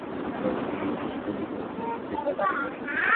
সতীশ কহিল, তেতালার ঘরে।